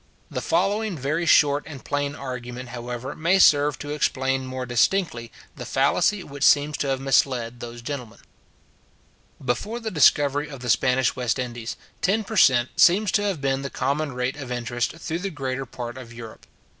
The following very short and plain argument, however, may serve to explain more distinctly the fallacy which seems to have misled those gentlemen. Before the discovery of the Spanish West Indies, ten per cent. seems to have been the common rate of interest through the greater part of Europe.